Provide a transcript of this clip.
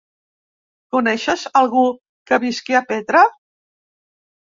Coneixes algú que visqui a Petra?